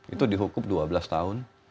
itu di hukum dua belas tahun